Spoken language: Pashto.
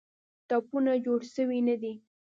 ټپونه جوړ سوي نه دي.